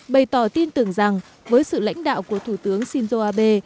bày tỏ tin tưởng rằng với sự lãnh đạo của thủ tướng shinzo abe